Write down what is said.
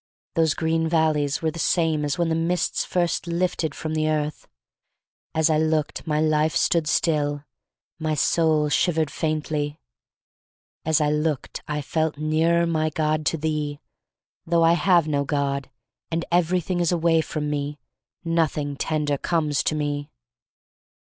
Those green valleys were the same as when the mists first lifted from the earth. As I looked my life stood still. My soul shivered faintly. As I looked I felt nearer, my God, to thee — though I have no God and everything is away from me, nothing tender comes to me.